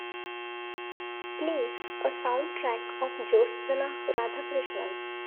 please, a sound track of Jyotsna Radhakrishnan